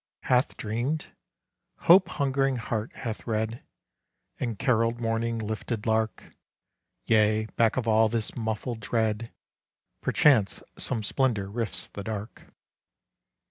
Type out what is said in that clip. Hath dreamed? Hope hungering heart hath read, And carolled morning lifted lark! Yea, back of all this muffled dread Perchance some splendor rifts the dark.